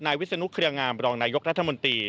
วิศนุเครืองามรองนายกรัฐมนตรี